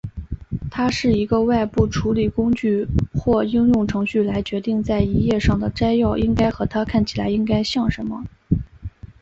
它是一个外部处理工具或应用程序来决定在一页上的摘要应该和它看起来应该像什么。